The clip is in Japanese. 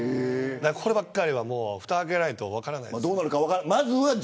こればかりは、ふたを開けないと分からないです。